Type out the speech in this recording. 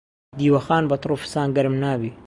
دیوەخان بە تڕ و فسان گەرم نابی.